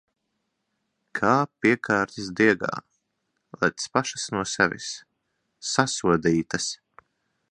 Kā piekārtas diegā... Lec pašas no sevis! Sasodītas!